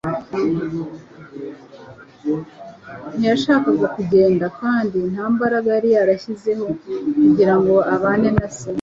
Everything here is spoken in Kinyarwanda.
Ntiyashakaga kugenda kandi nta mbaraga yari yarashyizeho kugira ngo abane na se.